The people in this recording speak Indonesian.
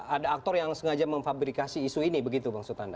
ada aktor yang sengaja memfabrikasi isu ini begitu maksud anda